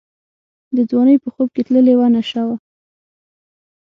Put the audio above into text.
د ځوانۍ په خوب کي تللې وه نشه وه